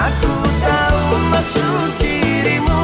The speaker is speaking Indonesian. aku tau maksud dirimu